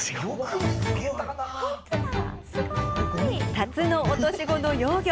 タツノオトシゴの幼魚！